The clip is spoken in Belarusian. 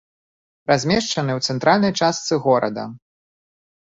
Размешчаны ў цэнтральнай частцы горада.